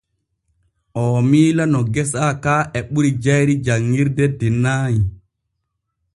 Oo miila no gesa ka e ɓuri jayri janŋirde de nay.